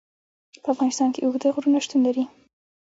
په افغانستان کې اوږده غرونه شتون لري.